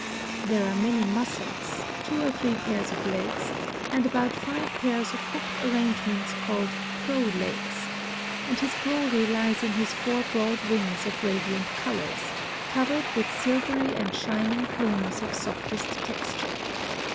There are many muscles, two or three pairs of legs, and about five pairs of hooked arrangements called pro legs; and his glory lies in his four broad wings of radiant colors, covered with silvery and shining plumes of softest texture.